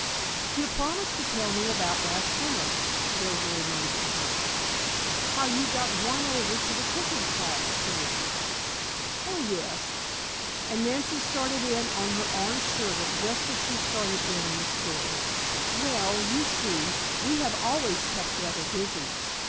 "You promised to tell me about last summer," Rosa reminded her. "How you got won over to the cooking class scheme." "Oh, yes," and Nancy started in on her orange sherbert just as she started in on the story. "Well, you see, we have always kept rather busy.